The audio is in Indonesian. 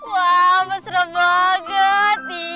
wah mastro bogoti